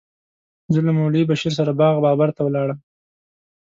زه له مولوي بشیر سره باغ بابر ته ولاړم.